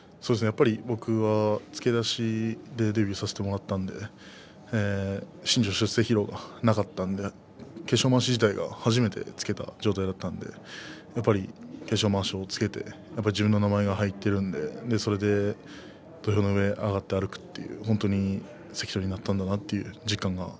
僕は突き出しでデビューさせてもらったので新序出世披露をしなかったので化粧まわし自体が初めてつけた状態だったので化粧まわしをつけて自分の名前が入っているのでそれで土俵の上上がって歩くって本当に関取になったんだな